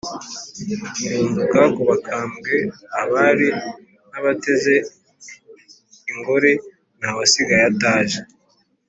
Urunduka ku bakambwe Abari n’abateze ingori Nta wasigaye ataje,